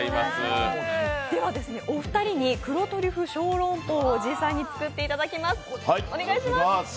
お二人に黒トリュフ小籠包を実際に作っていただきます。